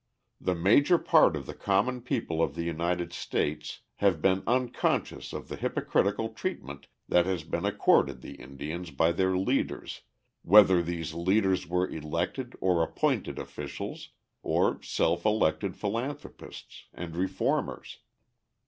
The major part of the common people of the United States have been unconscious of the hypocritical treatment that has been accorded the Indians by their leaders, whether these leaders were elected or appointed officials or self elected philanthropists and reformers.